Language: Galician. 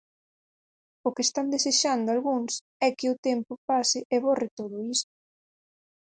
O que están desexando algúns é que o tempo pase e borre todo iso.